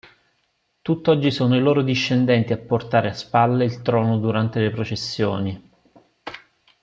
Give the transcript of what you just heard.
Tutt'oggi sono i loro discendenti a portare a spalle il trono durante le processioni.